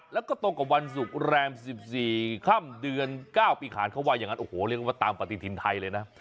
แล้วก็ตรงกับวันศุกร์แรม๑๔ค่ำเดือน๙ปีขานเขาว่าอย่างนั้นโอ้โหเรียกว่าตามปฏิทินไทยเลยนะ